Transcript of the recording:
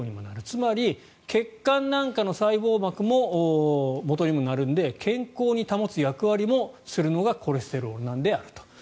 つまり血管なんかの細胞膜のもとにもなるので健康に保つ役割もするのがコレステロールであると。